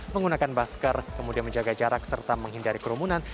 menggunakan masker kemudian menjaga jarak serta menghindari kerumunan